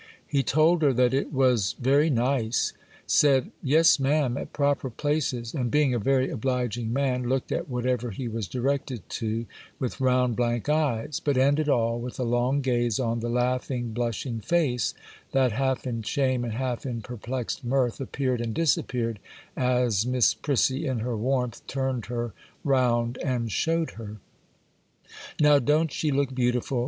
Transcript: He told her that it was very nice,—said, 'Yes, ma'am,' at proper places,—and, being a very obliging man, looked at whatever he was directed to, with round, blank eyes; but ended all with a long gaze on the laughing, blushing face, that, half in shame and half in perplexed mirth, appeared and disappeared as Miss Prissy in her warmth turned her round and showed her. 'Now, don't she look beautiful?